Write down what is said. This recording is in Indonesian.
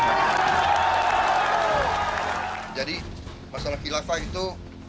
saya bisa mendatangkannya setelah saya kira